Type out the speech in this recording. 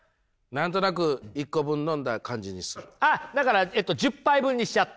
あっだから１０杯分にしちゃって？